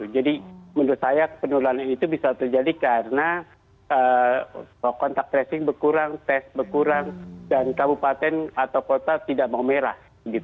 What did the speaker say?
menurut saya penularan itu bisa terjadi karena kontak tracing berkurang tes berkurang dan kabupaten atau kota tidak mau merah